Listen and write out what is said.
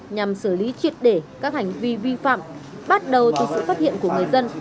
nhằm xử lý triệt để các hành vi vi phạm bắt đầu từ sự phát hiện của người dân